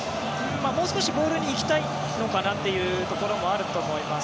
もう少しボールに行きたいのかなというところもあると思います。